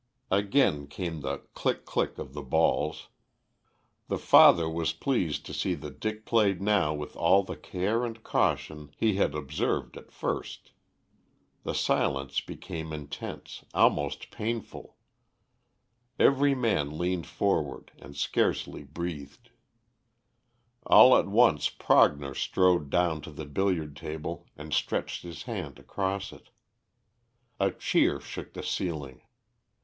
Again came the click click of the balls. The father was pleased to see that Dick played now with all the care and caution he had observed at first. The silence became intense, almost painful. Every man leaned forward and scarcely breathed. All at once Prognor strode down to the billiard table and stretched his hand across it. A cheer shook the ceiling.